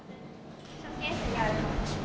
ショーケースにある。